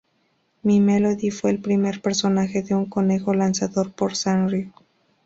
My Melody fue el primer personaje de un conejo lanzado por Sanrio.